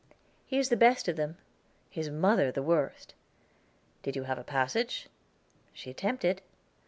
"He is the best of them, his mother the worst." "Did you have a passage?" "She attempted."